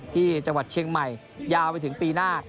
ที่จังหวัดเชียงใหม่ยาวไปถึงปีหน้า